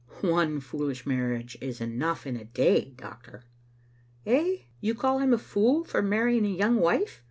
" One foolish marriage is enough in a day, doctor." "Eh? You call him a fool for marrying a young wife?